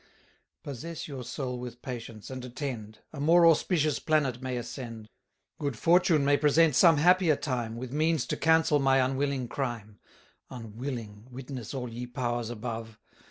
Possess your soul with patience, and attend: A more auspicious planet may ascend; 840 Good fortune may present some happier time, With means to cancel my unwilling crime; (Unwilling, witness all ye Powers above!)